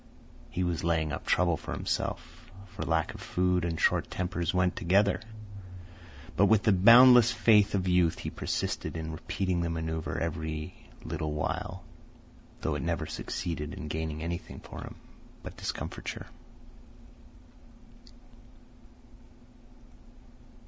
He was laying up trouble for himself, for lack of food and short tempers went together; but with the boundless faith of youth he persisted in repeating the manoeuvre every little while, though it never succeeded in gaining anything for him but discomfiture.